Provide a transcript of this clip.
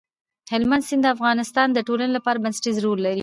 هلمند سیند د افغانستان د ټولنې لپاره بنسټيز رول لري.